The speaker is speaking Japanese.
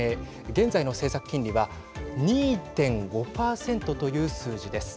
現在の政策金利は２．５％という数字です。